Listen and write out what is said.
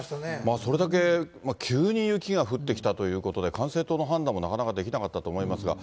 それだけ急に雪が降ってきたということで、管制塔の判断もなかなかできなかったと思いますが。